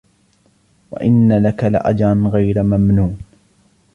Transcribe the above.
وَإِنَّ لَكَ لأَجْرًا غَيْرَ مَمْنُونٍ